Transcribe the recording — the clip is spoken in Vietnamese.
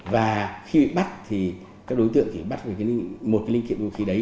và khi bị bắt thì các đối tượng bắt một cái linh kiện vũ khí đấy